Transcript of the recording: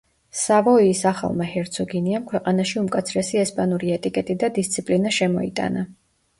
სავოიის ახალმა ჰერცოგინიამ ქვეყანაში უმკაცრესი ესპანური ეტიკეტი და დისციპლინა შემოიტანა.